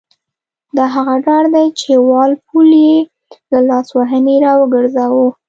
دا هغه ډار دی چې وال پول یې له لاسوهنې را وګرځاوه.